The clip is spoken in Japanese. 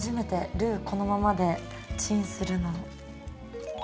ルーこのままでチンするの。